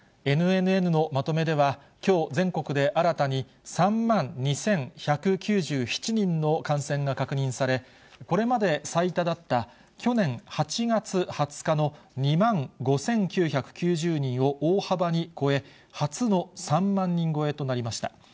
ＮＮＮのまとめでは、きょう全国で新たに３万２１９７人の感染が確認され、これまで最多だった、去年８月２０日の２万５９９０人を大幅に超え、初の３万人超えとなりました。